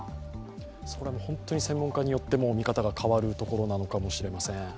そこら辺、専門家によって見方が変わるところなのかもしれません。